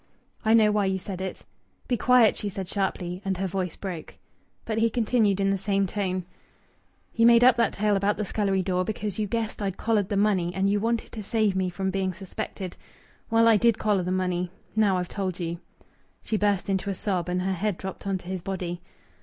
"I know why you said it." "Be quiet!" she said sharply, and her voice broke. But he continued in the same tone "You made up that tale about the scullery door because you guessed I'd collared the money and you wanted to save me from being suspected. Well, I did collar the money! Now I've told you!" She burst into a sob, and her head dropped on to his body.